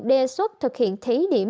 đề xuất thực hiện thí điểm